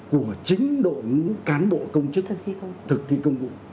của chính đội cán bộ công chức thực thi công vụ